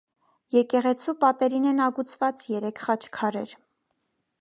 Եկեղեցու պատերին են ագուցված երեք խաչքարեր։